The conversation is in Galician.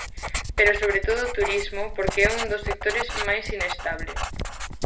Pero sobre todo o turismo porque é un dos sectores máis inestable.